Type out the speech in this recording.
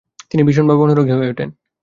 তিনি ভীষণ ভাবে অনুরাগী হয়ে উঠেন।